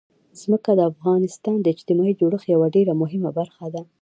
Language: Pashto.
ځمکه د افغانستان د اجتماعي جوړښت یوه ډېره مهمه برخه ده.